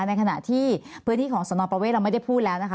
ในขณะที่พื้นที่ของสนประเวทเราไม่ได้พูดแล้วนะคะ